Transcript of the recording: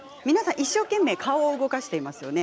一生懸命、顔を動かしていますね。